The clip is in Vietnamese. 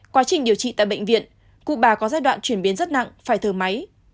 quá trình điều trị tại bệnh viện cụ bà có giai đoạn chuyển biến rất nặng phải thở máy